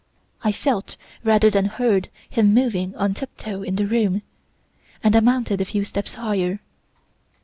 I felt, rather than heard, him moving on tip toe in the room; and I mounted a few steps higher.